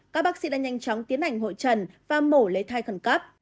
các bác sĩ đã nhanh chóng tiến hành hội trần và mổ lấy thai khẩn cấp